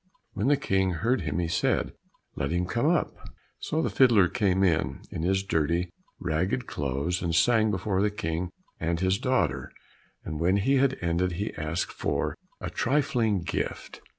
When the King heard him he said, "Let him come up." So the fiddler came in, in his dirty, ragged clothes, and sang before the King and his daughter, and when he had ended he asked for a trifling gift.